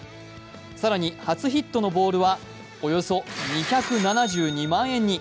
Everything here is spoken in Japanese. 更に初ヒットのボールは、およそ２７２万円に！